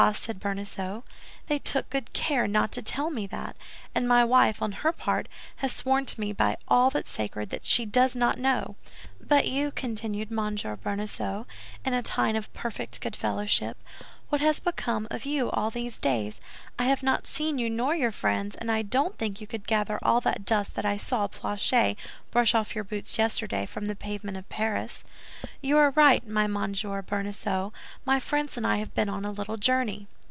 said Bonacieux, "they took good care not to tell me that; and my wife, on her part, has sworn to me by all that's sacred that she does not know. But you," continued M. Bonacieux, in a tone of perfect good fellowship, "what has become of you all these days? I have not seen you nor your friends, and I don't think you could gather all that dust that I saw Planchet brush off your boots yesterday from the pavement of Paris." "You are right, my dear Monsieur Bonacieux, my friends and I have been on a little journey."